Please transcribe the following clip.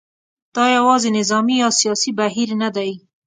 دا یوازې نظامي یا سیاسي بهیر نه دی.